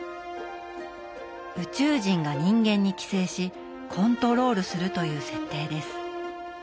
宇宙人が人間に寄生しコントロールするという設定です。